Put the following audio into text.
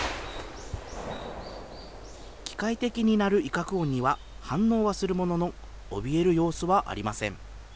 機械的に鳴る威嚇音には反応はするものの、おびえる様子はありません。